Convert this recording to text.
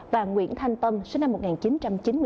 và nguyễn thanh tâm sinh năm một nghìn chín trăm chín mươi